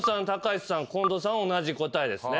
近藤さんは同じ答えですね。